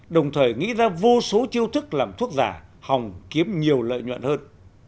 đồng thời nghĩ ra vô số chiêu thức làm thuốc giả hòng kiếm nhiều lợi nhuận hơn